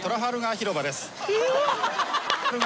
広場です。